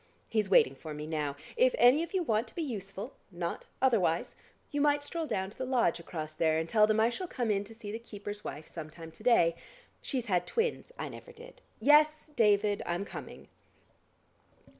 He's waiting for me now. If any of you want to be useful not otherwise you might stroll down to the lodge across there, and tell them I shall come in to see the keeper's wife sometime to day. She's had twins. I never did. Yes, David, I'm coming."